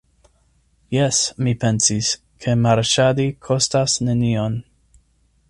Jes, mi pensis, ke marŝadi kostas nenion.